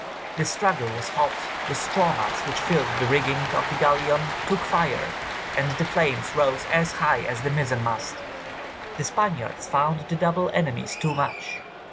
The struggle was hot, the straw mats which filled the rigging of the galleon took fire and the flames rose as high as the mizen mast. The Spaniards found the double enemies too much!